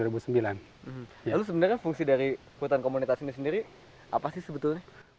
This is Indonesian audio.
lalu sebenarnya fungsi dari hutan komunitas ini sendiri apa sih sebetulnya